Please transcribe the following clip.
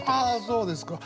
そうですか。